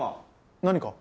何か？